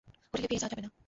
হোটেলে ফিরে যাওয়া যাবে না।